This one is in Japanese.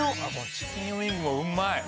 チキンウイングもうまい。